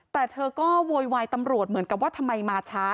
แต่เธอก็โวยวายตำรวจเหมือนกับว่าทำไมมาช้า